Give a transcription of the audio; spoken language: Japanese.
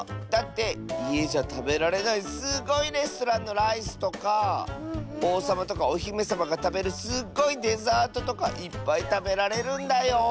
だっていえじゃたべられないすっごいレストランのライスとかおうさまとかおひめさまがたべるすっごいデザートとかいっぱいたべられるんだよ。